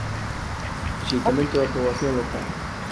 Rexeitamento da poboación local